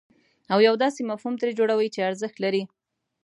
او یو داسې مفهوم ترې جوړوئ چې ارزښت لري.